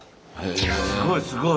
すごいすごい。